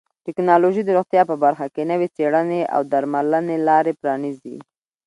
ټکنالوژي د روغتیا په برخه کې نوې څیړنې او درملنې لارې پرانیزي.